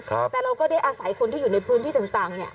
แต่เราก็ได้อาศัยคนที่อยู่ในพื้นที่ต่างเนี่ย